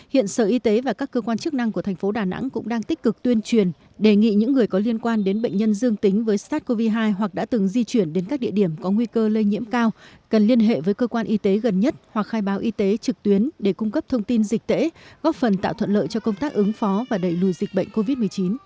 hiện sở y tế và các cơ quan chức năng của thành phố đà nẵng cũng đang tích cực tuyên truyền đề nghị những người có liên quan đến bệnh nhân dương tính với sars cov hai hoặc đã từng di chuyển đến các địa điểm có nguy cơ lây nhiễm cao cần liên hệ với cơ quan y tế gần nhất hoặc khai báo y tế trực tuyến để cung cấp thông tin dịch tễ góp phần tạo thuận lợi cho công tác ứng phó và đẩy lùi dịch bệnh covid một mươi chín